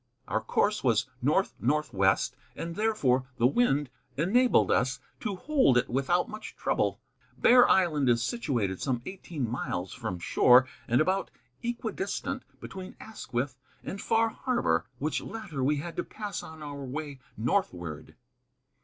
Our course was north northwest, and therefore the wind enabled us to hold it without much trouble. Bear Island is situated some eighteen miles from shore, and about equidistant between Asquith and Far Harbor, which latter we had to pass on our way northward.